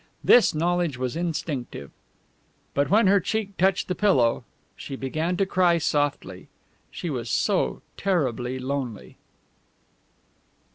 This knowledge was instinctive. But when her cheek touched the pillow she began to cry softly. She was so terribly lonely!